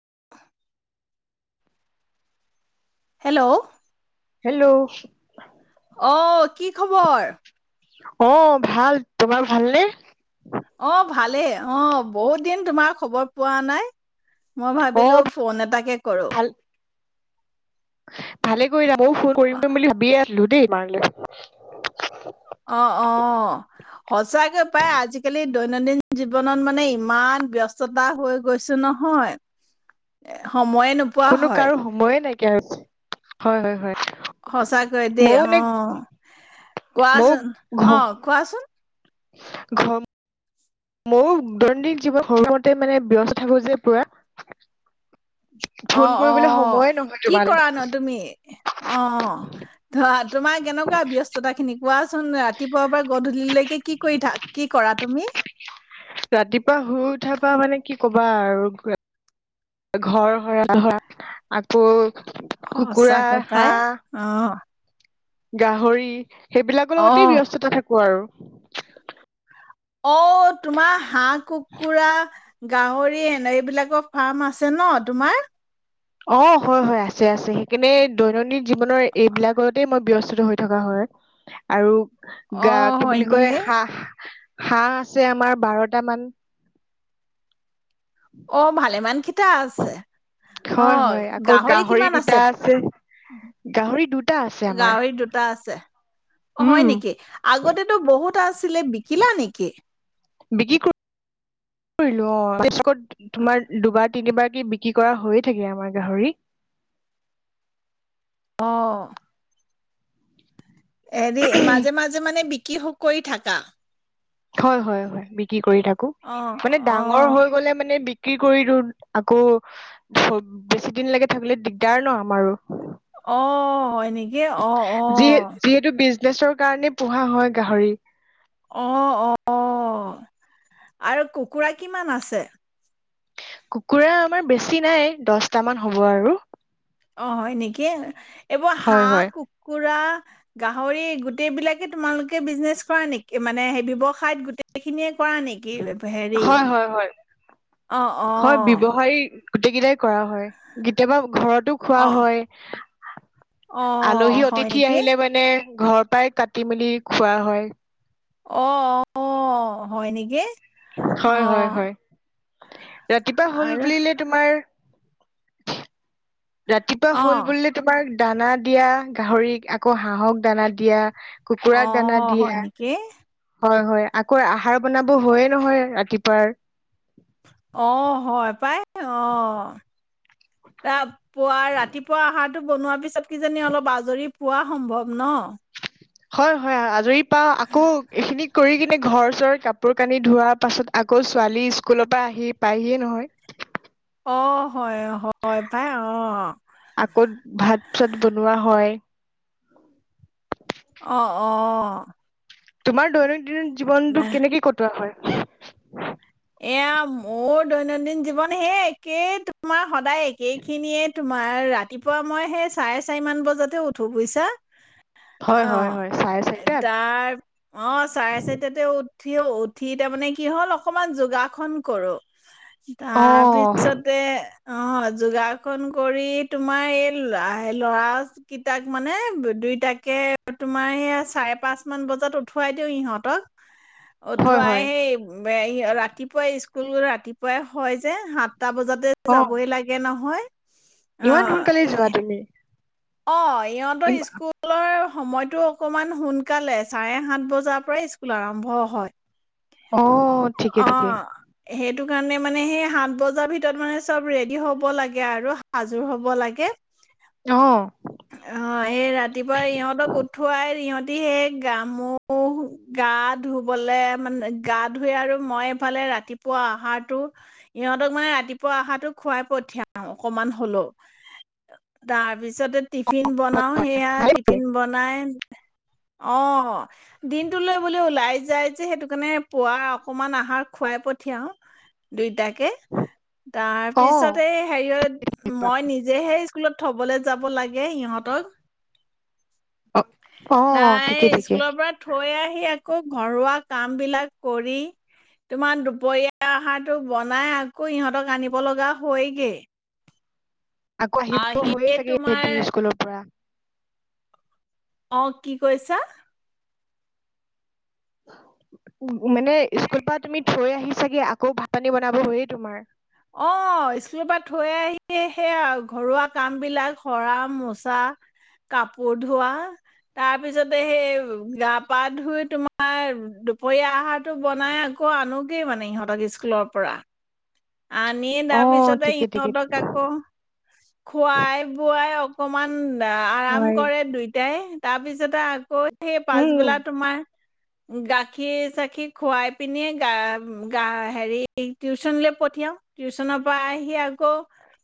[inaudible] Hello, hello, অঁ কি খবৰ? অ ভাল তোমাৰ ভালনে? অ ভালেই অ বহুত দিন তোমাৰ খবৰ পোৱা নাই। মই অ ভাবিলোঁ ফোন এটাকে কৰোঁ। ভালেই কৰিলা মই ও ফোন কৰিম কৰিম বুলি ভাবিয়ে আছিলোঁ।। লুডেই মাৰলে [inaudible] অ অ সঁচাকে পাই আজিকালি দৈনন্দিন জীৱনত মানে ইমান ব্যস্ততা হৈ গৈছো নহয়। এ কোনো কাৰো সময়ে নাইকিয়া হৈছে হয় হয় হয়। সঁচাকৈ দেই ময়ো অ। নে ময়ো কোৱাচোন ঘ অ কোৱাচোন? ঘ ময়ো দৈনন্দিন জীৱন ঘৰখনতে মানে ব্যস্ত হৈ যে পুৰা।। অ ফোন অ কৰিবলৈ সময়ে নহয় কি তোমালে কৰা ন তুমি অ ধৰা তোমাৰ কেনেকুৱা ব্যস্ততা খিনি কোৱা।। চোন ৰাতিপুৱা পৰা গধূলিলৈকে কি কৰি থা কি কৰা তুমি? ৰাতিপুৱা শুই উঠাৰ পৰা মানে কি কবা আৰু ঘৰ সৰা আকৌ।। কুকুৰা সঁচাকৈ পায়। হাঁহ অ গাহৰি।। সেইবিলাকৰ লগতেই অ', ব্যস্ততা থাকোঁ আৰু।। অ তোমাৰ হাঁহ, কুকুৰা।। গাহৰি এনে এইবিলাকৰ ফাৰ্ম আছে ন তোমাৰ? অ হয় হয় আছে আছে। সেইখিনি দৈনন্দিন।। জীৱনৰ এইবিলাকতেই মই ব্যস্তটো হৈ থকা হয়। আৰু গা অ', কি হয় বুলি কয়? নেকি? হাঁহ হাঁহ আছে আমাৰ বাৰটা মান। অ ভালেমান কেইটা আছে। অ হয় হয় আকৌ গাহৰি কিমান দুটা আছে? গাহৰি দুটা আছে আমাৰ গাহৰি দুটা আছে। উম হয় নেকি? আগতেতো বহুত টা আছিলে বিকিলা নেকি? বিক্ৰী কৰি--কৰিলো অ [unintelligible] ক'ত তোমাৰ দুবাৰ তিনিবাৰ কে বিক্ৰী কৰা হৈয়ে থাকে আমাৰ গাহৰি অ হেৰি মাজে মাজে মানে বি কিহ কৈ থাকা? হয় হয় হয় বিক্ৰী কৰি থাকো। অ', মানে ডাঙৰ অ', হৈ গ'লে মানে বিক কি কৰি দিউ, আকৌ--বেছি দিনলৈকে থাকিলে দিগদাৰ ন আমাৰো। অ হয় নেকি? ক্ৰী। অ অ নেছৰ কাৰণে পোহা হয় গাহৰি। অ অ--আৰু কুকুৰা কিমান আছে? কুকুৰা আমাৰ বেছি নাই দছটামান হ'ব আৰু অ হয় নেকি? এইবোৰ হয় হাঁহ, হয় কুকুৰা গাহৰি গোটেই বিলাকে তোমালোকে বিজনেছ কৰা নেকি? মানে সেই ব্যৱসায়ত গোটেই খিনিয়ে কৰা নেকি? হেৰি হয় হয় হয় অ অ হয় ব্যৱসায় গোটেই কেইটাই কৰা হয়। কেতিয়াবা ঘৰতো খোৱা হয়। অ অ আলহী হয় অতিথি নেকি আহিলে মানে ঘৰৰ পৰাই কাটি মেলি খোৱা হয়। অ অ হয় নেকি? অ হয়, হয়, হয়। ৰাতিপুৱা হ'ল আৰু বুলিলে তোমাৰ ৰাতিপুৱা অ হ'ল বুলি তোমাৰ দানা দিয়া গাহৰিক, আকৌ হাঁহক দানা দিয়া অ কুকুৰাক দানা দিয়া। হয় নেকি হয়, হয় আকৌ আহাৰ বনাব হয়য়ে নহয় ৰাতিপুৱাৰ। অ, হয় পাই অ। এয়া পুৱা, ৰাতিপুৱা অহাত ত, বনোৱাৰ পিছত কিজানি অলপ আজৰি পোৱা সম্ভৱ ন। হয়, হয় আজৰি বা, আকৌ এইখিনিক কৰি কিনে ঘৰ চৰ, কাপোৰ কানি ধোৱাৰ পাছত আকৌ, ছোৱালী স্কুলৰ পৰা আহি পায়হিয়ে নহয়। অ, হয় হয় পাই অ। আকৌ, ভাত-চাত বনোৱা হয়। অ অ। তোমাৰ দৈনন দিন। জীৱনটোক বাহ। কেনেকে কটোৱা হয়? এয়া, মোৰ দৈনন্দিন জীৱন সেই একে তোমাৰ সদায় একে খিনিয়ে তোমাৰ ৰাতিপুৱা মই সেই চাৰে চাৰিমান বজাতহে উঠো বুইছা। অ, হয় হয় হয় চাৰে চাৰিটাত তাৰ অ চাৰে চাৰি তাতে উত উঠিও উঠি তাৰমানে কি হ'ল আকৌ মান যোগাসন কৰোঁ। অ তাৰপিছতে অ যোগাসন কৰি, তোমাৰ এই লৰা কিতাক মানে দুইটাকে তোমাৰ সেইয়া চাৰে পাঁচ মান বজাত উঠোৱাই দিওঁ, ইহঁতক। হয় উটুৱাই হয় হে [unintelligible] ৰাতিপুৱাই স্কুল, ৰাতিপুৱাই হয় যে। এটা বজাতে অ যাবই লাগে নহয়। অ ইমান সোনকালেই যোৱা এ- তুমি? অ সিহঁতৰ ইম- স্কুলৰ সময়টো অকমান সোনকালে চাৰে সাত বজাৰ পৰা স্কুল আৰম্ভ হয়। অহ, ঠিকে অ ঠিকে। সেইটো কাৰণে মানে, সেই সাত বজাৰ ভিতৰত মানে চব ৰেডি হ'ব, লাগে আৰু সাজুৰ হ'ব লাগে। অ, এই ৰাতিপুৱা ইহঁতক উঠোৱাই ইহত সেই গা মু গা ধুবলে মানে গা ধুই আৰু মই এইফালে ৰাতিপুৱা আহাৰটো ইহঁতক মানে ৰাতিপুৱা আহাৰটো খুৱাই পঠিয়াও অকমান হলেও। তাৰ পিছত পিছতে টিফিন বনাওঁ। হয়। সেয়া ভালেই ভালেই। টিফিন বনাই অ, দিনটোলৈ বোলে ওলাই যাই যে সেইটো কাৰণে পোৱা অকমান আহাৰ খুৱাই পঠিয়াও দুইটাক। কে তাৰ অ পিছতে হেৰি, মই নিজেহে স্কুলত থবলৈ যাব লাগে সিহঁতক। অ নাই ঠিকে ঠিকে স্কুলৰ পৰা থৈ আহি আকৌ ঘৰুৱা কাম বিলাক কৰি তোমাৰ দুপৰীয়া আহাৰটো বনাই আকৌ ইহঁতক আনিব লগা হয়গেই। আকৌ আহিব হৈয়ে চাগে তোমাৰ সিহতি স্কুলৰ পৰা। অ কি কৈছা? মানে স্কুল পৰা তুমি থৈ আহিছাগে আকৌ ভাত পানী বনাব হয়য়ে তোমাৰ। অ স্কুলৰ পৰা থৈ আহিয়ে সেইয়া ঘৰুৱা কাম বিলাক সৰা মোচা কাপোৰ ধোৱা তাৰপিছতে সেই গা পা ধুই তোমাৰ দুপৰীয়া আহাৰটো বনাই আকৌ আনোগেই মানে ইহঁতক স্কুলৰ পৰা আনিয়ে অ তাৰপিছতে ঠিকে ঠিকে সিহঁতক আকৌ খোৱাই বোৱাই। অকমান। আৰাম মই কৰে দুইটাই। তাৰ পিছতে আকৌ সেই উম পাছবেলা তোমাৰ গাখীৰ চাখি খুৱাই পিনি গা গা হেৰি টিউচনলে। পঠিয়াও টিউশনৰ পৰা আহি আকৌ।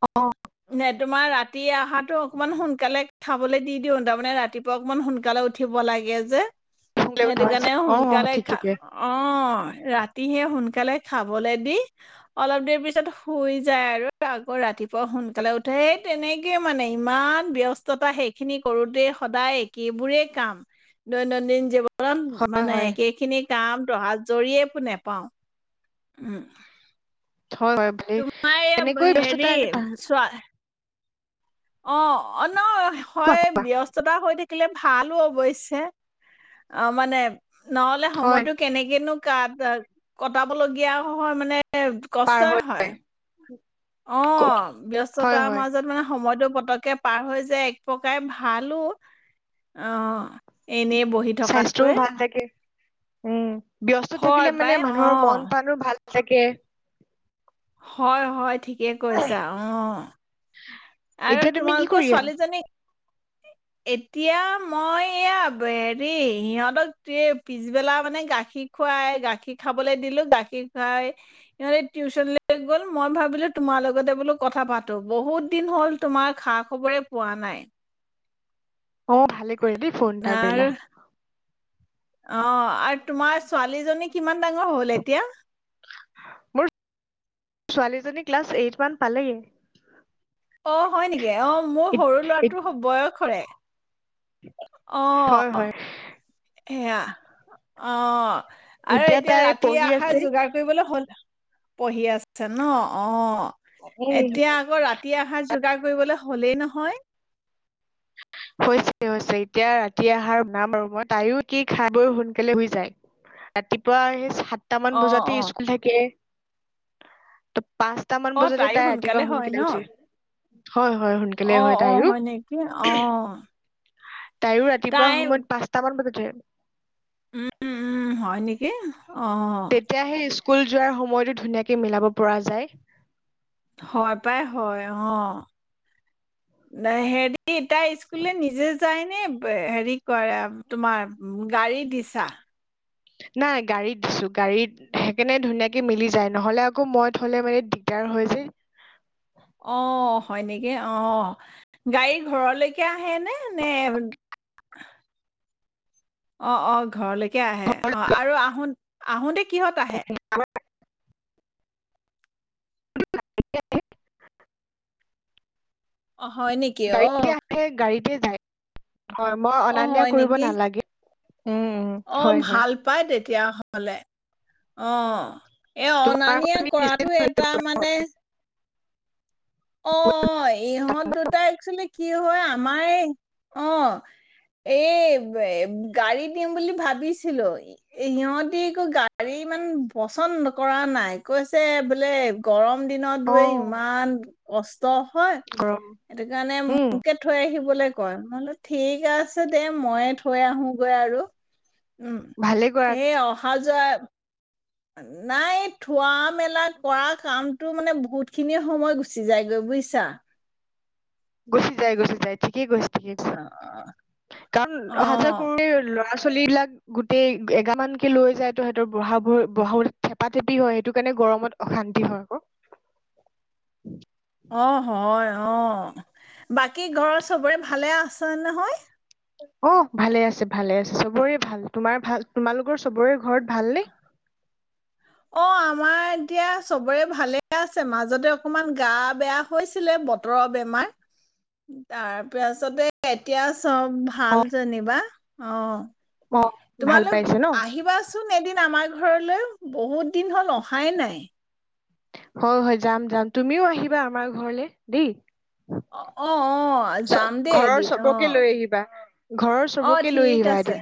অ নে তোমাৰ ৰাতি অহাটো অকনমান সোনকালে খাবলৈ দি দিও তাৰমানে ৰাতিপুৱা অকমান সোনকালে উঠিব লাগে যে। ভোক লাগি সেইটো ধৰিছে। কাৰণে অ অ সোনকালে ঠিক খা ঠিকে অ ৰাতিহে সোনকালে। সোনকালে খাবলে দি অলপ দেৰি পিছত শুই যায় আৰু আকৌ ৰাতিপুৱা সোনকালে উঠে এই তেনেকে মানে ইমান ব্যস্ততা সেইখিনি কৰোতে সদায় একেইবোৰে কাম দৈনন্দিন জীৱ। কাৰণ হয় মানে হয় সেই খিনি। কাম তহাত আজৰিয়ে নেপাও উম। হয় হয় বুলি তোমাৰ এই এনেকৈয় হেৰি ব্যস্ততা ভাল। চোৱা অ অ ন কোৱা হয় কোৱা ব্যস্ততা হৈ থাক। থাকিলে ভালো অৱশ্যে অ মানে নহ'লে হয় সময়তো কেনেকেনো। কাত কটাবলগীয়া হয় মানে। এ কষ্টই হয়। অ ক- হয় ব্যস্ততাৰ হয় মাজত মানে সময়টো। পতকে পাৰ হৈ যে এক প্ৰকাৰে ভালো আহ। স্বাস্থ্যও ভাল থাকে উম। ব্যস্ত হয় থাকিলে মানে পাই অ মানুহৰ মন পানো ভাল তাকে হয় হয় ঠিকে কৈছা আহ। আৰু এতিয়া তুমি কি তোমালোকৰ কৰি আছা ছোৱালীজনী। এতিয়া মই এইয়া হেৰি সিহঁতক পিছবেলা মানে গাখীৰ খুৱাই গাখীৰ খাবলৈ দিলো গাখীৰ খুৱাই সিহঁতে টিউচনলৈ গ'ল মই ভাবিলো তোমাৰ লগতে বোলো কথা পাতো বহুত [unintelligible] দিন হ'ল তোমাৰ খা-খবৰে পোৱা নাই। অ', ভালে। [unintelligible] দেই ফোন এটা আৰু কৰিলা। অ', আৰু তোমাৰ ছোৱালীজনী কিমান ডাঙৰ হ'ল এতিয়া? মো ছোৱালীজনী ক্লাছ এইটমান পালেই। অ', হয় নেকি? অ', মোৰ সৰু ল'ৰাটোৰ ইত- বয়সৰে। হয় অ'হ। হয় সেয়া, অ'। আৰু এতিয়া তাই ৰাতিৰ পঢ়ি আহাৰ আছে যোগাৰ কৰিবলৈ হ'ল। পঢ়ি আছে। ন, অ', উম এতিয়া আকৌ ৰাতি আহাৰ যোগাৰ কৰিবলৈ হ হলেই নহয়। হৈছে, হৈছে এতিয়া ৰাতি আহাৰ বনাম আৰু মই, তাইও কি খাই-বৈ সোনকালে শুই যায়। ৰাতিপুৱা সেই সা তামান অ', বজাতি অ', স্কুল থাকে। ত পাঁচটা মান অ', বজাতে তাইও তাই ৰাতিপুৱা হয় ন সোনকালে উঠে। হয়, হয় সোনকালে অ', হয় অ', তাইৰো। নেকি অ', তাইও ৰাতিপুৱা তাই সময়ত, পাঁচটা মান বজাত উ উম, উম, হয় নেকি? অ'। তেতিয়াহে স্কুল যোৱাৰ সময়তো ধুনীয়াকে মিলাব পৰা যায়। হয় পাই। হয় অ', ন হে তাই স্কুললে নিজে যাইনে? হেৰি কৰে তোমাৰ গাড়ী দিছা? নাই গাড়ীত দিছো। গাড়ীত সেইকাৰণনে ধুনীয়াকে মিলি যায়। নহলে আকৌ মই থলে মানে দিগদাৰ হয় যে। অহ হয় নেকি? অ', গাড়ী ঘৰলৈকে আহেনে? নে অ', অ', ঘৰলৈ কে আহে অ', আৰু আহো-আহোতে কিহত আহে? অ', হয় নেকি? গাড়ীতে অ'। আহে গাড়ীতে যায়। হয়, মই অ', অনা-নিয়া হয় কৰিব নেকি নালাগে। উম উম অ হয় হয় ভাল পাই দে তেতিয়া হ'লে অ এ অনা তোমাৰ আকৌ নিয়া তুমি কৰাতটো এটা মানে অ ইহঁত দুটা একচোৱেলি কি হয় আমাৰ এই অ এই গাড়ী দিম বুলি ভাবিছিলো ইিহঁতি একো গাড়ী ইমান পচন্দ কৰা নাই কৈছে বোলে গৰম দিনত অ বে ইমান হয় গৰম সেইটো কাৰণে উম মোকে থৈ আহিবলৈ কয় মইলো ঠিক আছে দে মইয়ে থৈ আহোগৈ আৰু ভালে কৰা- হাজাৰ নাই এই থোৱা মেলা কৰা কামটো মানে বহুতখিনি সময় গুচি যায়গৈ বুজিছা গুচি যায় গুচি যায় ঠিকেই কৈছে ঠিক কাৰণ অ হাজাৰ কো [unintelligible] লৰা চলিবিলাক গোটেই এগামানকে লৈ যায় তো সিহঁতৰ বহোৰ বহাব থেপা থেপি হয় সেইটো কাৰণে গৰমত অশান্তি হয় আকৌ অ হয় অ বাকী ঘৰৰ চবৰে ভালে আছে নহয় অ ভালে আছে ভালে আছে চবৰে ভাল তোমাৰ ভাল তোমালোকৰ চবৰে ঘৰত ভালনে অ আমাৰ এতিয়া চবৰে ভালে আছে মাজতে অকমান গা বেয়া হৈছিলে বতৰৰ বেমাৰ তাৰপাছতে এতিয়া চব ভাল যেনিবা অ ম ভাল তোমালোক পাইছে ন আহিবাচোন এদিন আমাৰ ঘৰলৈ বহুত দিন হ'ল অহাই নাই হয় হয় যাম যাম তুমিও আহিবা আমাৰ ঘৰলে দেই অ অ আহ চ যাম দেই ঘৰৰ এদিন অ চবকে লৈ আহিবা ঘৰৰ অহ চবকে লৈ ঠিক আহিবা আছে এদিন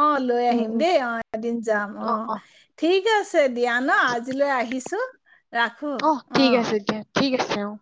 অ লৈ উম আহিম উম দেই অ এদিন যাম অ ঠিক আছে আছে দিয়া ন আজিলৈ আহিছো অ ঠিক আছে এতিয়া ঠিক আছে অ